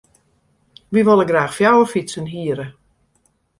Wy wolle graach fjouwer fytsen hiere.